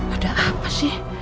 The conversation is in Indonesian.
ada apa sih